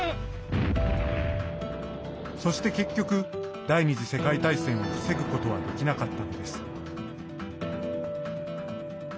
そして結局、第２次世界大戦を防ぐことはできなかったのです。